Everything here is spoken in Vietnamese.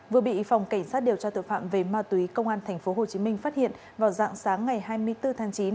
vừa bị phòng cảnh sát điều tra tội phạm về ma túy công an tp hcm phát hiện vào dạng sáng ngày hai mươi bốn tháng chín